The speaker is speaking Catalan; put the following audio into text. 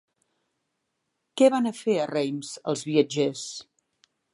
Què van a fer a Reims els viatgers?